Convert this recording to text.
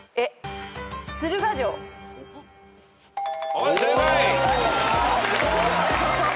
はい正解。